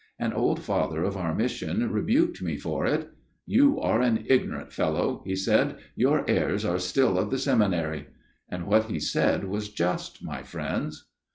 An old father of our mission rebuked me for it. * You are an ignorant fellow,' he said, * your airs are still of the seminary.' And what he said was just, my friends.